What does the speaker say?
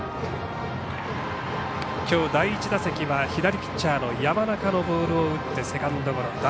今日第１打席は左ピッチャーの山中のボールを打ってセカンドゴロ。